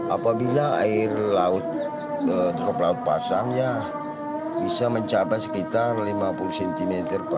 apabila air laut drop laut pasang ya bisa mencapai sekitar lima puluh cm